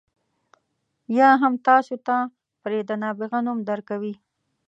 یا هم تاسو ته پرې د نابغه نوم درکوي.